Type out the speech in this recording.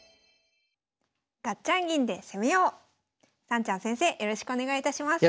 さんちゃん先生よろしくお願いいたします。